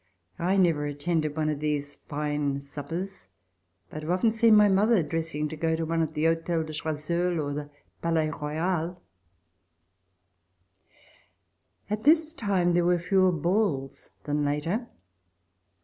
I never attended one of these fine suppers, but I have often seen my mother dressing to go to one at the Hotel de Choiseul or the Palais Royal. CHILDHOOD OF MLLE. DHXON At this time there were fewer balls than later.